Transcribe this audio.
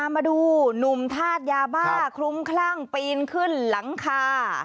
มาดูหนุ่มธาตุยาบ้าคลุ้มคลั่งปีนขึ้นหลังคา